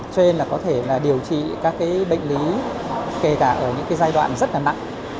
trên là có thể là điều trị các cái bệnh lý kể cả ở những cái giai đoạn rất là nặng